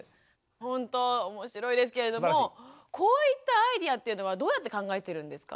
ほんとおもしろいですけれどもこういったアイデアっていうのはどうやって考えてるんですか？